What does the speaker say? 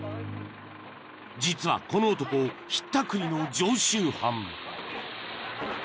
［実はこの男ひったくりの常習犯］